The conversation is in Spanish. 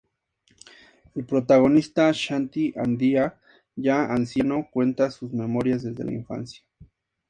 El protagonista, "Shanti Andía", ya anciano, cuenta sus memorias desde la infancia.